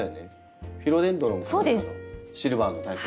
シルバーのタイプ？